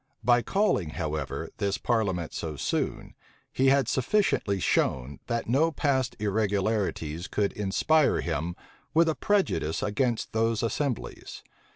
By calling, however, this parliament so soon, he had sufficiently shown, that no past irregularities could inspire him with a prejudice against those assemblies.